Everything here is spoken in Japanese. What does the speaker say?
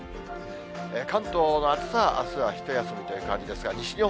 関東の暑さは、あすは一休みという感じですが、西日本、